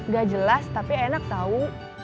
gak jelas tapi enak tahu